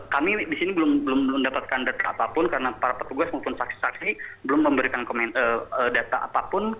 kami di sini belum mendapatkan data apapun karena para petugas maupun saksi saksi belum memberikan data apapun